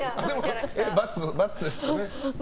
×ですかね？